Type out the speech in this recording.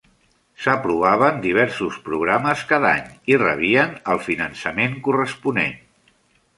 S'aprovaven diversos programes cada any i rebien el finançament corresponent.